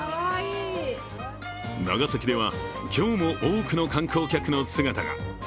長崎では今日も多くの観光客の姿が。